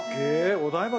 お台場